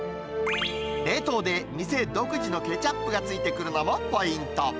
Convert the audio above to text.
冷凍で店独自のケチャップが付いてくるのもポイント。